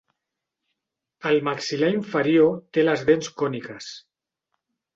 El maxil·lar inferior té les dents còniques.